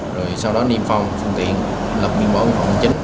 rồi sau đó niêm phong phương tiện lập nghiên bóng phòng chính